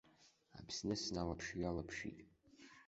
Аԥсны сналаԥш-ҩалаԥшит.